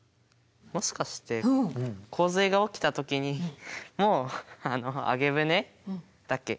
もしかして洪水が起きた時にもう揚舟だっけ？